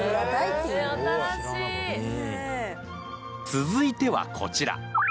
続いてはこちら。